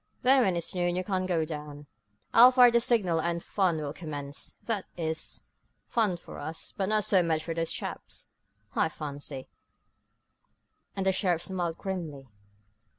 Then, when it's noon you can go down, I'll fire the signal and the fun will commence that is, fun for us, but not so much for those chaps, I fancy," and the sheriff smiled grimly.